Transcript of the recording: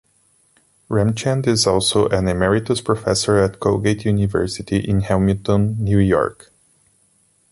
Ramchand is also an Emeritus Professor at Colgate University in Hamilton, New York.